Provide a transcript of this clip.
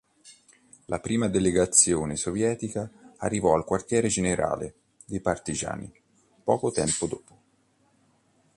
La prima delegazione sovietica arrivò al quartier generale dei partigiani poco tempo dopo.